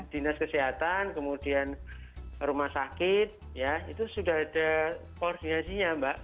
dinas kesehatan kemudian rumah sakit ya itu sudah ada koordinasinya mbak